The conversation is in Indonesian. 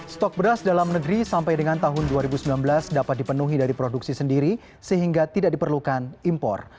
stok beras dalam negeri sampai dengan tahun dua ribu sembilan belas dapat dipenuhi dari produksi sendiri sehingga tidak diperlukan impor